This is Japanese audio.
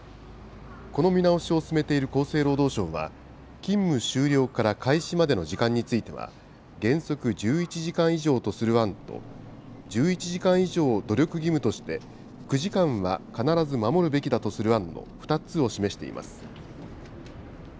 この見直しを進めている厚生労働省は、勤務終了から開始までの時間については、原則１１時間以上とする案と、１１時間以上を努力義務として、９時間は必ず守るべきだとする案の２つを示しています。